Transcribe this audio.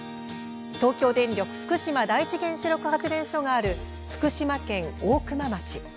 東京電力福島第一原子力発電所がある福島県大熊町。